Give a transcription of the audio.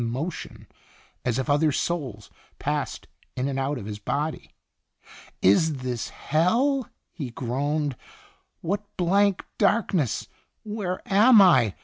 emotion as if other souls passed in and out of his body. * Is this hell ?" he groaned. What blank darkness ! Where am I